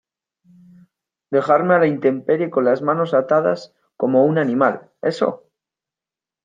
¿ dejarme a la intemperie con las manos atadas como un animal, eso?